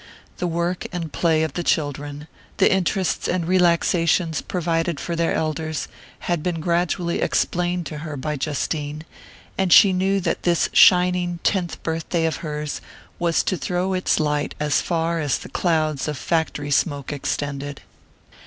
The work and play of the children, the interests and relaxations provided for their elders, had been gradually explained to her by Justine, and she knew that this shining tenth birthday of hers was to throw its light as far as the clouds of factory smoke extended.